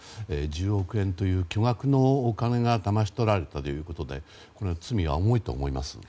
１０億円という巨額のお金がだまし取られたということでこれは罪は重いと思います。